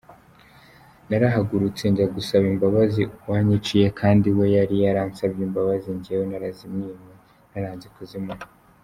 Narahagurutse njya gusaba imbabazi uwanyiciye kandi we yari yaransabye imbabzi njyewe narazimwinye, naranze kuzimuha.